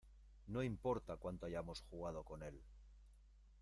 No importa cuánto hayamos jugado con él.